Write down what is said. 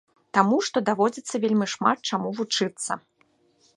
Таму што даводзіцца вельмі шмат чаму вучыцца.